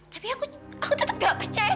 tapi aku aku tetep nggak percaya